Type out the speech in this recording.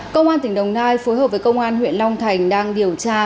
công an tỉnh đồng nai phối hợp với công an huyện long thành đang điều tra